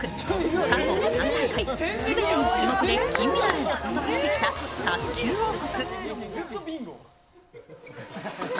過去３大会、全ての種目で金メダルを獲得してきた卓球王国。